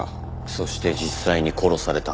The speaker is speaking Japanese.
そして実際に殺された。